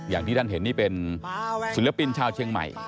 อย่างที่ท่านเห็นนี่เป็นศิลปินชาวเชียงใหม่